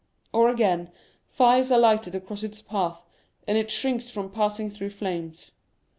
Or again, fires are lighted across its path, and it shrinks from passing through flames.